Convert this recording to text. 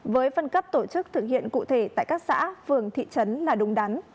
với phân cấp tổ chức thực hiện cụ thể tại các xã phường thị trấn là đúng đắn